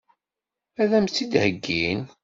Ad m-tt-id-heggin?